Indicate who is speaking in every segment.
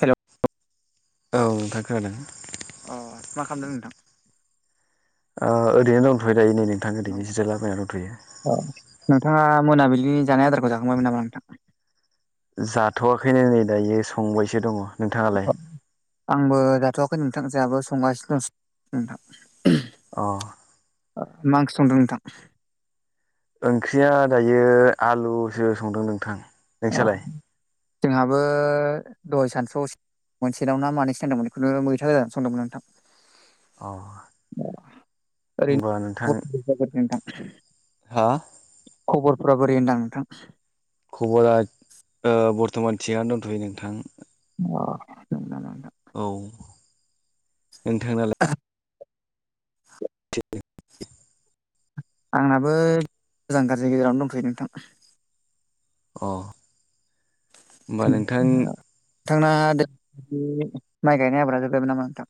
Speaker 1: हेल'
Speaker 2: औ नओंथां खोनादों
Speaker 1: अ मा खालामदों नोंथां।
Speaker 2: ओरैनो दथयो दायो नै नोंथां ओरैनोसो लामायाव दंथ'यो
Speaker 1: अ नोंथाङा मोनाबिलिनि जानाय आदारखौ जाखांबायमोन नामा नोंथाङा
Speaker 2: जाथ'वाखैनो नै दायो संबायसो दङ नोंथाङालाय
Speaker 1: आंबो जाथ'वाखै नोंथां जोंहाबो संगासिनो दं नोंथां
Speaker 2: अ
Speaker 1: मा ओंख्रि‌ संदों नोंथां
Speaker 2: ओंख्रिया दायो आलुसो संदों नोंथां नोंसोरयालाय
Speaker 1: जोंहाबो दहाय सतस' मोनसेनाव ना मानो सानांदोंमोन बेखौुनु मैथा जान सोंदोंमोन नोंथां
Speaker 2: अ
Speaker 1: ओरैनो
Speaker 2: होमबा नोंथां
Speaker 1: नोंथां
Speaker 2: हा
Speaker 1: खबरफोरा बोरै होनदां नोंथां
Speaker 2: खबरा बर्थ'मान थिगानो दोनथ'यो नोंथां
Speaker 1: अ
Speaker 2: औ नोंथांनालाय
Speaker 1: बे आंनाबो मोजां गाज्रिनि गेजेरावनो दंथैयो नोंथां
Speaker 2: अ नोंथां
Speaker 1: नोंथांना माइ गायनाय आब्रा जोबायमोन नामा नोंथां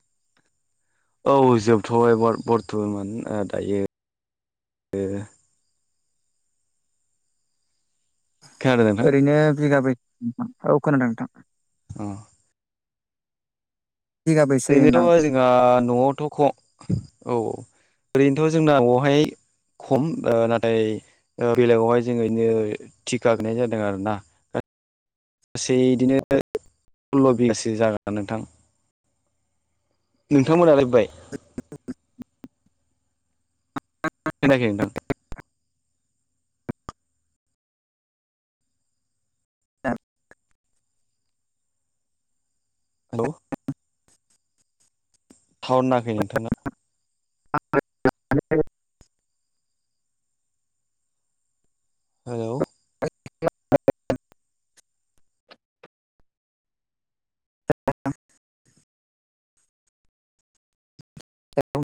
Speaker 2: औ जोबथ'बाय बर-बर्थमान दायो खोनादों नोंथां
Speaker 1: ओरैनो बिघाबै औ खोनादों नोंथां
Speaker 2: अ
Speaker 1: बिगाबैसो जायो
Speaker 2: [unintelligible]
Speaker 1: नोंथां
Speaker 2: जोंहा न'आवथ' ख औ औ ओरैनोथ' जोंना बेावहाय खम ओ नाथाय बेलेगावहाय जोङ नो थिका गैनाय जादों आरो ना गासै बिदिनो सल्ल' बिगासो जागोन नोंथां नोंथांमोना लायोबबाय खोनायाखै नोंथां हेल' थाउर नांङाखै नोंथांना
Speaker 1: [unintelligible]
Speaker 2: हेलौ
Speaker 1: [unintelligible] [unintelligible]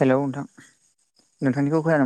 Speaker 1: हेलौ नोंथां नोंथांनिखौ खोनानो मो